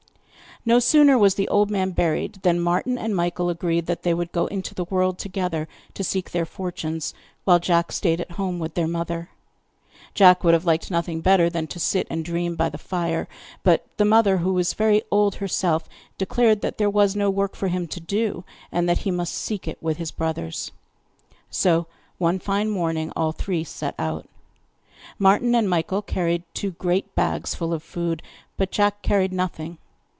No sooner was the old man buried than Martin and Michael agreed that they would go into the world together to seek their fortunes, while Jack stayed at home with their mother. Jack would have liked nothing better than to sit and dream by the fire, but the mother, who was very old herself, declared that there was no work for him to do, and that he must seek it with his brothers. So, one fine morning, all three set out; Martin and Michael carried two great bags full of food, but Jack carried nothing.